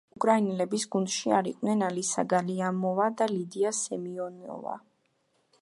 უკრაინელების გუნდში არ იყვნენ ალისა გალიამოვა და ლიდია სემიონოვა.